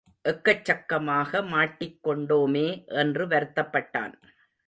எக்கச் சக்கமாக மாட்டிக் கொண்டோமே என்று வருத்தப்பட்டான்.